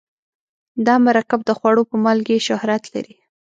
دا مرکب د خوړو په مالګې شهرت لري.